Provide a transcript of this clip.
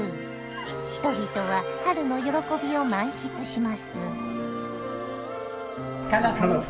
人々は春の喜びを満喫します。